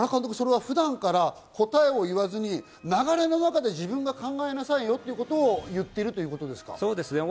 普段から答えを言わずに、流れの中で自分が考えなさいよということを言っているんですか？